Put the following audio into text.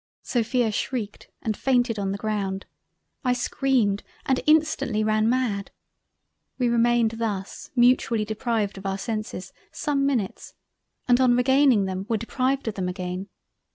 Sophia shreiked and fainted on the ground—I screamed and instantly ran mad—. We remained thus mutually deprived of our senses, some minutes, and on regaining them were deprived of them again.